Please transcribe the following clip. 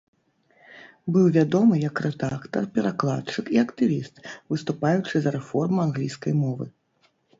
Быў вядомы як рэдактар, перакладчык і актывіст, выступаючы за рэформу англійскай мовы.